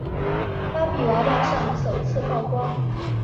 芭比娃娃上首次曝光。